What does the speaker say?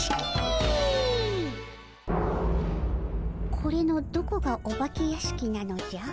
これのどこがお化け屋敷なのじゃ？